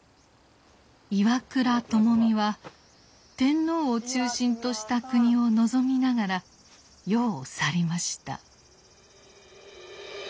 岩倉具視は天皇を中心とした国を望みながら世を去りました。